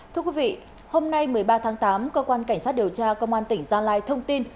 thưa quý vị hôm nay một mươi ba tháng tám cơ quan cảnh sát điều tra công an tỉnh gia lai thông tin